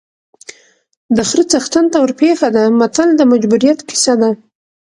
د خره څښتن ته ورپېښه ده متل د مجبوریت کیسه ده